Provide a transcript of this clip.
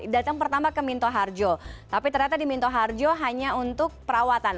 datang pertama ke minto harjo tapi ternyata di minto harjo hanya untuk perawatan